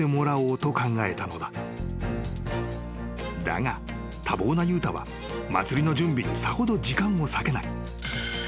［だが多忙な悠太は祭りの準備にさほど時間を割けない］